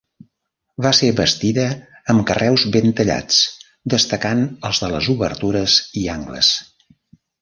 Va ser bastida amb carreus ben tallats, destacant els de les obertures i angles.